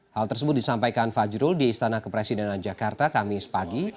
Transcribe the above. hal tersebut disampaikan fajrul di istana kepresidenan jakarta kamis pagi